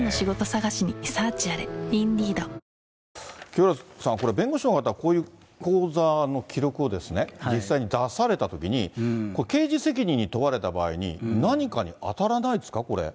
清原さん、これ、弁護士の方、こういう口座の記録を実際に出されたときに、刑事責任に問われた場合に、何かに当たらないですか？